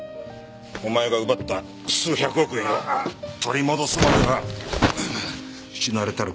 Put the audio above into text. お前が奪った数百億円を取り戻すまでは死なれたら困るからな。